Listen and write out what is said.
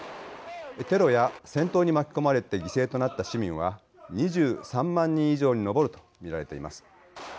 テロや戦闘に巻き込まれて犠牲となった市民は２３万人以上に上るとみられています。